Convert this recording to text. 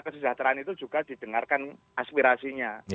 kesejahteraan itu juga didengarkan aspirasinya